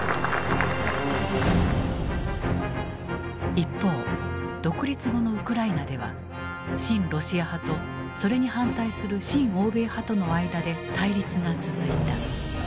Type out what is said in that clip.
一方独立後のウクライナでは親ロシア派とそれに反対する親欧米派との間で対立が続いた。